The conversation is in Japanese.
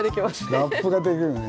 ラップができるね。